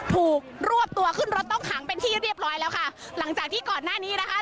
ถูกรวบตัวขึ้นรถต้องขังเป็นที่เรียบร้อยแล้วค่ะหลังจากที่ก่อนหน้านี้นะคะ